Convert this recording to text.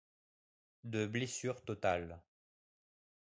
de blessures Total.